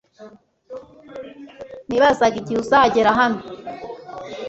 Nibazaga igihe uzagera hano